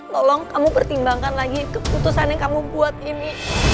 tolong kamu pertimbangkan lagi keputusan yang kamu buat ini